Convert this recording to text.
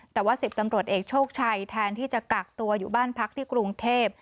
แต่ว่า๑๐ตำรวจเอกโชคชัยแทนที่จะกักตัวอยู่บ้านพักที่กรุงเทพ